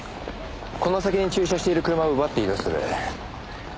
この先に駐車している車を奪って移動する。